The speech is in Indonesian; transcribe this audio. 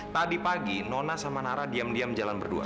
tadi pagi nona sama nara diam diam jalan berdua